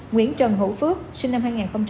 nguyễn trần hữu phước sinh năm hai nghìn ba